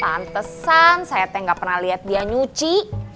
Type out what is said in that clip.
tantesan saya tanya ngga pernah liat dia nyuci